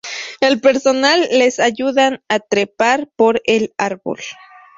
El personal les ayudan a trepar por el árbol.